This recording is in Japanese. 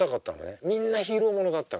みんなヒーローものだったから。